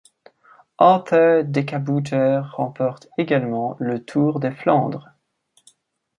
Arthur Decabooter remporte également le Tour des Flandres.